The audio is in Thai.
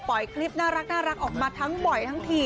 คลิปน่ารักออกมาทั้งบ่อยทั้งที